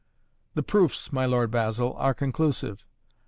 "The proofs, my Lord Basil, are conclusive.